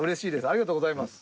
ありがとうございます。